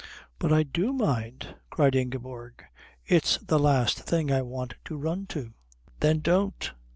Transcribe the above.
"But I do mind," cried Ingeborg. "It's the last thing I want to run to " "Then don't.